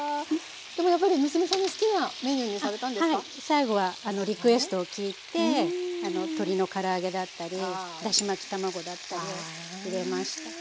最後はリクエストを聞いて鶏のから揚げだったりだし巻き卵だったりを入れました。